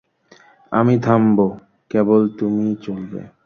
আমি থামব, কেবল তুমিই চলবে।